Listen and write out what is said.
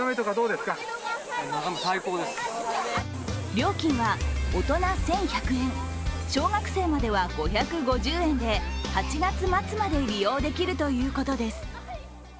料金は大人１１００円、小学生までは５５０円で８月末まで利用できるということです。